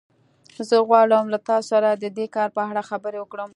زه غواړم له تاسو سره د دې کار په اړه خبرې وکړم